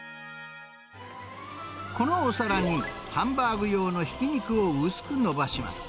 このお皿に、ハンバーグ用のひき肉を薄くのばします。